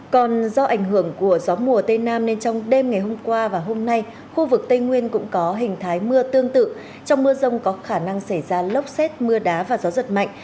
còn do ảnh hưởng của gió mùa tây nam nên trong đêm ngày hôm qua và hôm nay khu vực tây nguyên cũng có hình thái mưa tương tự trong mưa rông có khả năng xảy ra lốc xét mưa đá và gió giật mạnh